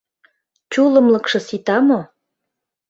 Чулымлыкшо сита мо?